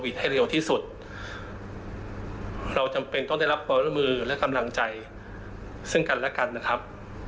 เดี๋ยวฟังหน่อยนะครับ